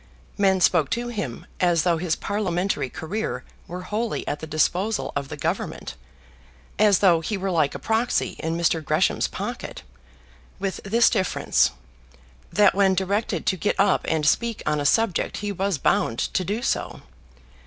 Men spoke to him, as though his parliamentary career were wholly at the disposal of the Government, as though he were like a proxy in Mr. Gresham's pocket, with this difference, that when directed to get up and speak on a subject he was bound to do so.